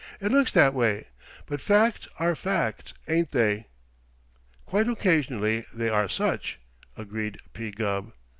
"It looks that way. But facts are facts, ain't they?" "Quite occasionally they are such," agreed P. Gubb.